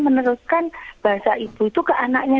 meneruskan bahasa ibu itu ke anaknya